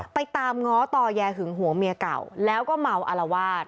ไปตามง้อต่อแยหึงหัวเมียเก่าแล้วก็เมาอารวาส